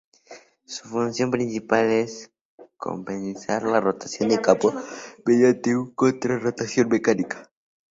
Su función principal es compensar la rotación de campo mediante una contra-rotación mecánica.